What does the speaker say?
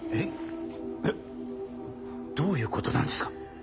えっどういうことなんですか？